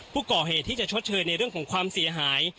เพื่อที่จะชดเชยในเรื่องของความเสียหาย